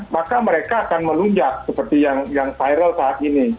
maka mereka akan melunjak seperti yang viral saat ini